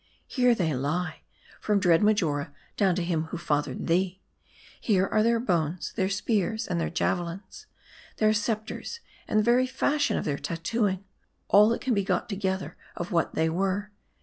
Here they lie, from dread Marjora down to him who fathered thee. Here are their bones, their spears, and their javelins ; their scepters, and the very fashion of their tat tooing : all that can be got together of what they were.